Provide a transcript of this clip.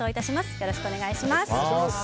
よろしくお願いします。